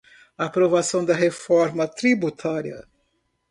Aprovação da reforma tributária